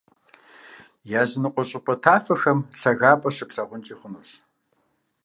Языныкъуэ щӀыпӀэ тафэхэм лъагапӀэ щыплъагъункӀи хъунущ.